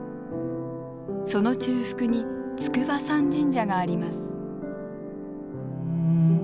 その中腹に筑波山神社があります。